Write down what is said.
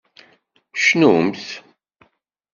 Cnumt!